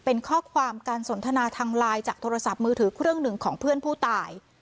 เป็นข้อความการสนทนาทางไลน์จากโทรศัพท์มือถือเครื่องหนึ่งของเพื่อนผู้ตาย